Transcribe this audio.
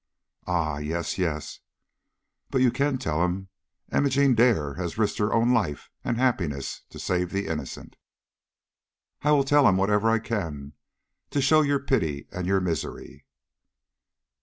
"Ah, yes, yes. But you can tell him Imogene Dare has risked her own life and happiness to save the innocent." "I will tell him whatever I can to show your pity and your misery."